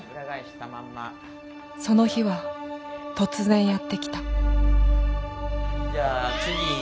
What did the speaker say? その日は突然やって来たうわ！